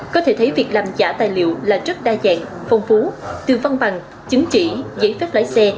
có thể thấy việc làm giả tài liệu là rất đa dạng phong phú từ văn bằng chứng chỉ giấy phép lái xe